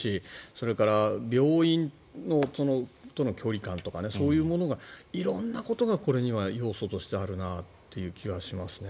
それから病院との距離感とかそういうものが色んなことがこれには要素としてはあるなという気がしますね。